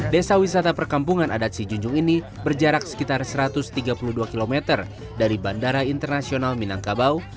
desa wisata perkampungan adat sijunjung ini berjarak sekitar satu ratus tiga puluh dua km dari bandara internasional minangkabau